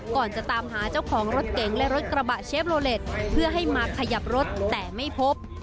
ก่อนจะตามหาเจ้าของรถเก๋งและรถกระบะเชฟโลเล็ตเพื่อให้มาขยับรถแต่ไม่พบ